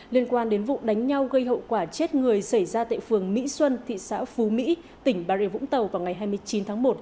liên quan đến vụ đánh nhau gây hậu quả chết người xảy ra tại phường mỹ xuân thị xã phú mỹ tỉnh bà rịa vũng tàu vào ngày hai mươi chín tháng một